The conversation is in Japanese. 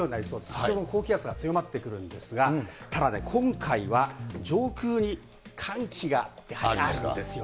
ちょうど高気圧が強まってくるんですが、ただね、今回は上空に寒気がやはりあるんですよ。